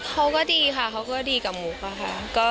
เขาก็ดีค่ะเขาก็ดีกับมุกอะค่ะ